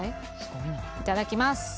いただきます。